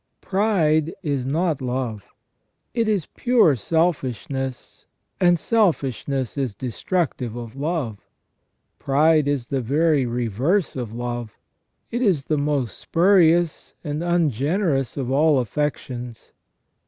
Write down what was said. Pride is not love, it is pure selfishness, and selfishness is destructive of love : pride is the very reverse of love, it is the most spurious and ungenerous of all affections.